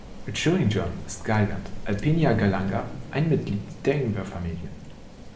„Chewing John“ ist Galgant, „Alpinia galanga“ - ein Mitglied der Ingwerfamilie.